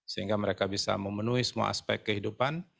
sehingga mereka bisa memenuhi semua aspek kehidupan